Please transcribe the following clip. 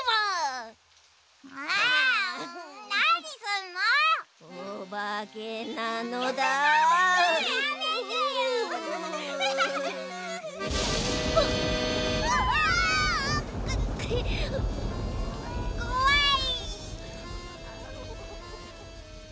あ！こわい。